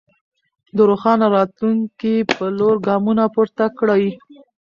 د روښانه راتلونکي په لور ګامونه پورته کړئ.